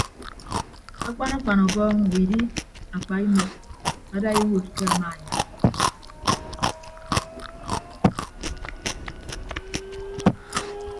Akpan akpan ọbọọñ widdie apaimuk adaiwuod ke amaanyam.